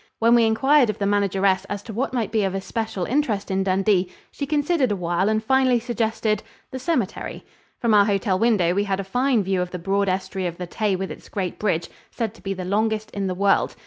When we inquired of the manageress as to what might be of especial interest in Dundee, she considered awhile and finally suggested the cemetery. From our hotel window we had a fine view of the broad estuary of the Tay with its great bridge, said to be the longest in the world.